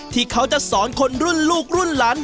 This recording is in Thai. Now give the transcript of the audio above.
ที่เขาจะสอนคนรุ่นลูกรุ่นหลาน